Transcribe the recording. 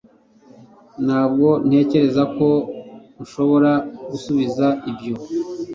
Ntabwo ntekereza ko nshobora gusubiza ibyo